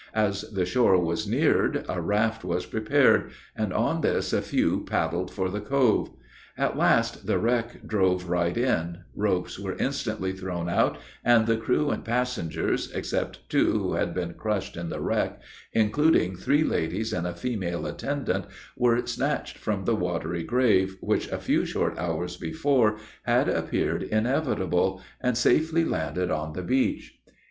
As the shore was neared, a raft was prepared, and on this a few paddled for the cove. At last the wreck drove right in: ropes were instantly thrown out, and the crew and passengers, (except two who had been crushed in the wreck,) including three ladies and a female attendant, were snatched from the watery grave, which a few short hours before had appeared inevitable, and safely landed on the beach.